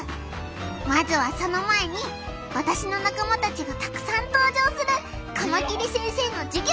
まずはその前に私の仲間たちがたくさん登場するカマキリ先生の授業をお楽しみください！